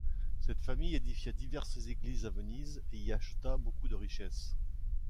Cette famille édifia diverses églises à Venise et y acheta beaucoup de richesses.